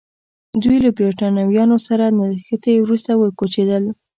دوی له برېټانویانو سره تر نښتې وروسته وکوچېدل.